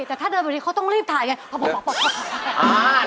แต่ถ้าเดินปกติเขาต้องรีบถ่ายอย่างนั้น